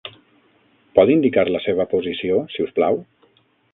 Pot indicar la seva posició, si us plau?